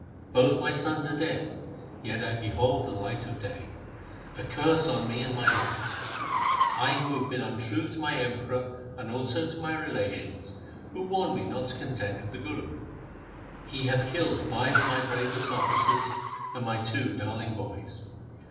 Both my sons are dead, yet I behold the light of day. A curse on me and my life ! I have been untrue to my Emperor and also to my relations, who warned me not to contend with the Guru. He hath killed five of my bravest officers and my two darling boys.